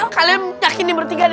kalian yakin bertiga nih